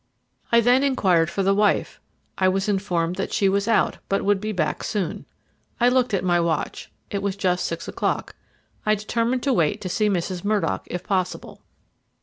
I then inquired for the wife. I was informed that she was out, but would be back soon. I looked at my watch. It was just six o'clock. I determined to wait to see Mrs. Murdock if possible.